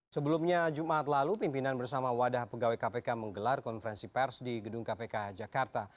sebelumnya jumat lalu pimpinan bersama wadah pegawai kpk menggelar konferensi pers di gedung kpk jakarta